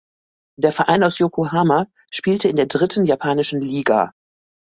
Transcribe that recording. Der Verein aus Yokohama spielte in der dritten japanischen Liga.